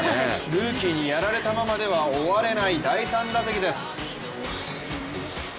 ルーキーにやられたままでは終われない、第３打席です。